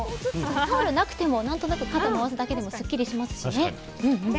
タオルなくても、何となく肩を回すだけでもすっきりしますしね。